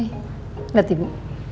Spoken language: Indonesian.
eh liat ibu